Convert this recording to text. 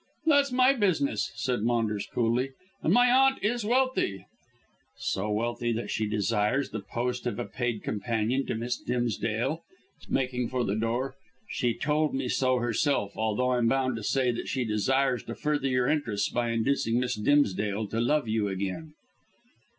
"That's my business," said Maunders coolly, "and my aunt is wealthy." "So wealthy that she desires the post of a paid companion to Miss Dimsdale," sneered Vernon, making for the door. "She told me so herself, although I'm bound to say that she desires to further your interests by inducing Miss Dimsdale to love you again."